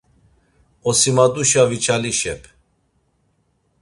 Osimaduşa viçalişep.